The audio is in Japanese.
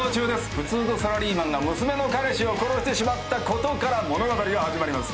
普通のサラリーマンが娘の彼氏を殺してしまったことから物語は始まります。